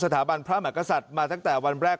สถาบันพระมหากษัตริย์มาตั้งแต่วันแรก